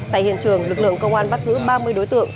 tại hiện trường lực lượng công an bắt giữ ba mươi đối tượng